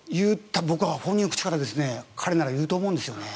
僕は本人の口から彼なら言うと思うんですね。